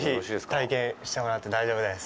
ぜひ体験してもらって大丈夫です。